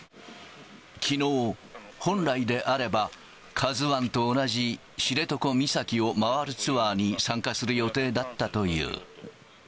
きのう、本来であれば、カズワンと同じ知床岬を回るツアーに参加する予定だったという。